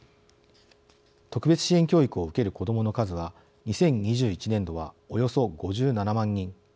特別支援教育を受ける子どもの数は２０２１年度は、およそ５７万人。